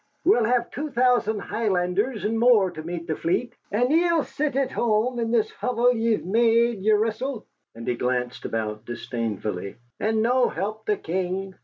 "We'll have two thousand Highlanders and more to meet the fleet. And ye'll sit at hame, in this hovel ye've made yeresel" (and he glanced about disdainfully) "and no help the King?"